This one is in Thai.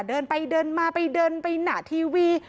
เดินไปเดินมาไปเดินไปหน้าทีวี